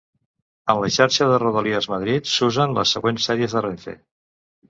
En la xarxa de Rodalies Madrid s'usen les següents sèries de Renfe.